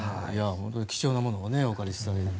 貴重なものをお借りして。